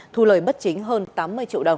thu lời bất chính hơn tám mươi triệu đồng